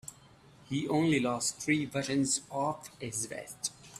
He only lost three buttons off his vest.